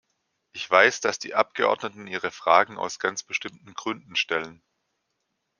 Ich weiß, dass die Abgeordneten ihre Fragen aus ganz bestimmten Gründen stellen.